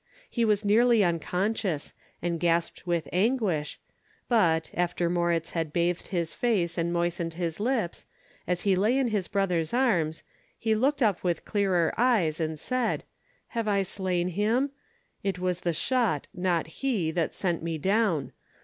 He was nearly unconscious, and gasped with anguish, but, after Moritz had bathed his face and moistened his lips, as he lay in his brother's arms, he looked up with clearer eyes, and said: "Have I slain him? It was the shot, not he, that sent me down.